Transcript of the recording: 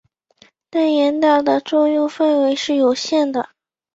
但严打的作用范围是有限的。